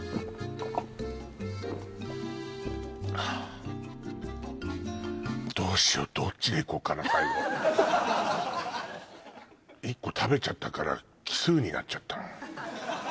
あどうしようどっちでいこうかな最後１個食べちゃったから奇数になっちゃった